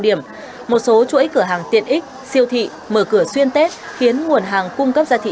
điểm một số chuỗi cửa hàng tiện ích siêu thị mở cửa xuyên tết khiến nguồn hàng cung cấp ra thị